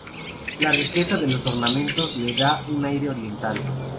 La riqueza de los ornamentos le da un aire oriental.